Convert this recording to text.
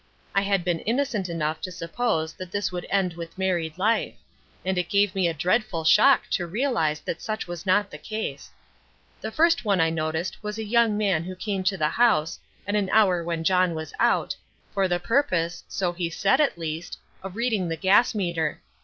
I had been innocent enough to suppose that this would end with married life, and it gave me a dreadful shock to realize that such was not the case. The first one I noticed was a young man who came to the house, at an hour when John was out, for the purpose, so he said at least, of reading the gas meter.